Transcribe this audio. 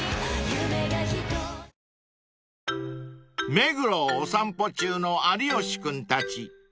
［目黒をお散歩中の有吉君たち］